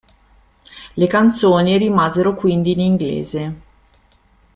Le canzoni rimasero quindi in inglese.